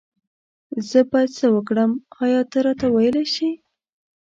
زه بايد سه وکړم آيا ته راته ويلي شي